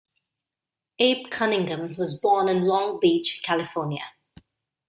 Abe Cunningham was born in Long Beach, California.